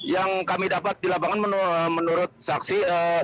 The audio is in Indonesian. yang kami dapat di lapangan menurut saksi